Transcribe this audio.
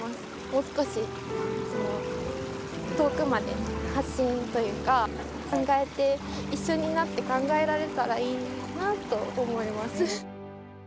もう少し遠くまで発信というか、考えて、一緒になって考えられたらいいなと思います。